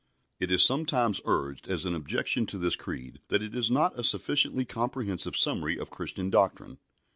It is sometimes urged as an objection to this Creed that it is not a sufficiently comprehensive summary of Christian doctrine.